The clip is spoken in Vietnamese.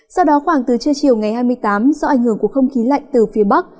sau đó khoảng từ trưa chiều ngày hai mươi tám do ảnh hưởng của không khí lạnh từ phía bắc